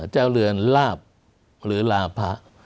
เจ้าเรือนราบหรือราพะ